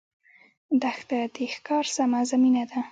دښته د ښکار سمه زمینه ده.